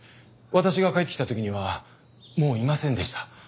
私が帰ってきた時にはもういませんでした。